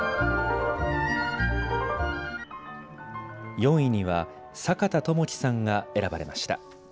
４位には阪田知樹さんが選ばれました。